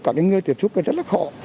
cả cái người tiếp xúc thì rất là khó